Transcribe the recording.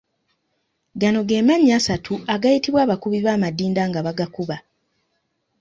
Gano ge mannya asatu agayitibwa abakubi b’amadinda nga bagakuba.